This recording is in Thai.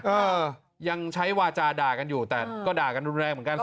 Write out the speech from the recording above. เออยังใช้วาจาด่ากันอยู่แต่ก็ด่ากันรุนแรงเหมือนกัน